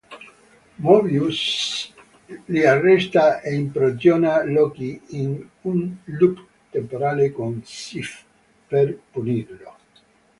Mobius li arresta e imprigiona Loki in un loop temporale con Sif per punirlo.